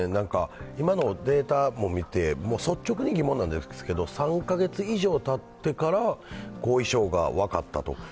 今のデータも見て、率直に疑問なんですけど３カ月以上たってから後遺症が分かったと。